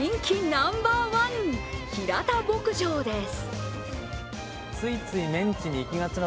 ナンバーワン平田牧場です。